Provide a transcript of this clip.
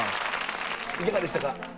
いかがでしたか？